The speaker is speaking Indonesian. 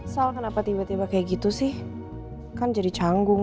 soal kenapa tiba tiba kayak gitu sih kan jadi canggung